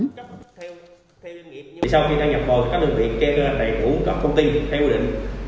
sau khi thay nhập bộ các đường tỉnh kêu ra đại hữu và công ty theo quy định